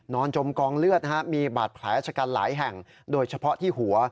จมกองเลือดมีบาดแผลชะกันหลายแห่งโดยเฉพาะที่หัว